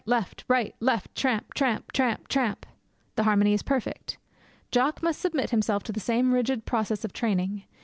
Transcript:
Left! Right! Left! Tramp! tramp! tramp! tramp! The harmony is perfect. Jock must submit himself to the same rigid process of training.